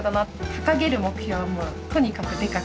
掲げる目標はとにかくでかく。